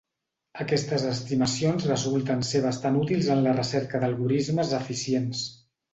Aquestes estimacions resulten ser bastant útils en la recerca d'algorismes eficients.